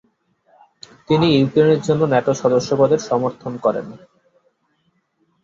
তিনি ইউক্রেনের জন্য ন্যাটো সদস্যপদের সমর্থন করেন।